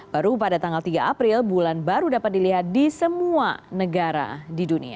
baru pada tanggal tiga april bulan baru dapat dilihat di semua negara di dunia